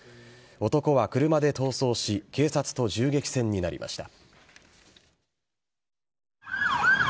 男は車で逃走し警察と銃撃戦になりました。